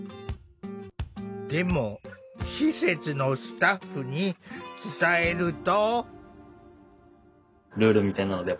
でも施設のスタッフに伝えると。